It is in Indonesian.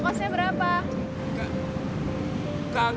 makasih ya bang udin